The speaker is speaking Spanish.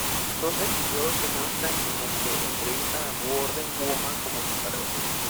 Dos episodios se muestran en el que entrevistan a Wonder Woman por su carrera.